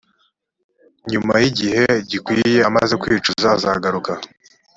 nyuma y igihe gikwiye amaze kwicuza azagaruke